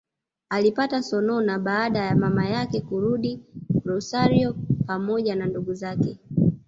Alipata sonona baada ya mama yake kurudi Rosario pamoja na ndugu zake